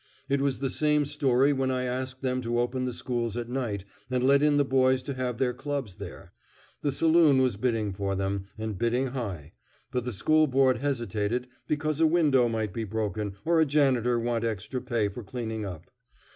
It was the same story when I asked them to open the schools at night and let in the boys to have their clubs there. The saloon was bidding for them, and bidding high, but the School Board hesitated because a window might be broken or a janitor want extra pay for cleaning up.